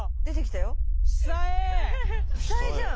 久恵じゃん！